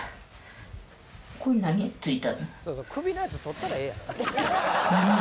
首のやつ取ったらええやん。